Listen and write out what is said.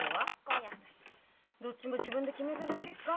どっちも自分で決めただけか。